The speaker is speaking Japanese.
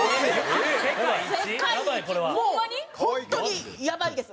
もう本当にやばいです。